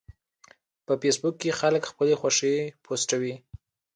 په فېسبوک کې خلک خپلې خوښې پوسټوي